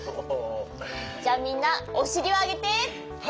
じゃあみんなおしりをあげて。